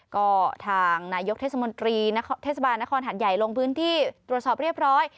ก็ทางนายกเทศมนตรีเทศบาลนครหัดใหญ่ลงพื้นที่ตรวจสอบเรียบร้อย